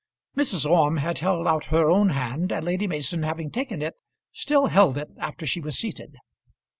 Mrs. Orme had held out her own hand, and Lady Mason having taken it, still held it after she was seated.